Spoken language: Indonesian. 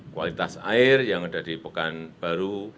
kualitas air yang ada di pekanbaru